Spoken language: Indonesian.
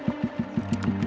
lo sudah nunggu